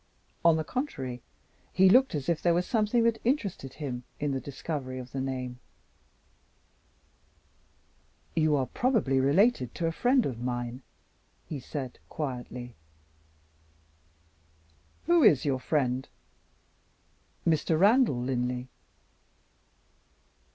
On the contrary, he looked as if there was something that interested him in the discovery of the name. "You are probably related to a friend of mine?" he said, quietly. "Who is your friend?" "Mr. Randal Linley."